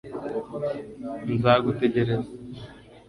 nzagutegereza